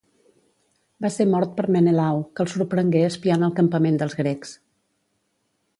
Va ser mort per Menelau, que el sorprengué espiant el campament dels grecs.